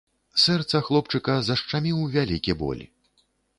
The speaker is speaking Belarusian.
Сэрца хлопчыка зашчаміў вялікі боль.